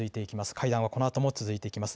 会談はこのあとも続いていきます。